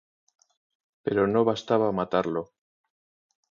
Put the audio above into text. Pero no bastaba con matarlo.